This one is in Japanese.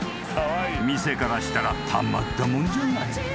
［店からしたらたまったもんじゃない］